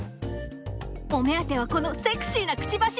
お目当てはこのセクシーなクチバシ。